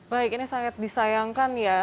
baik ini sangat disayangkan ya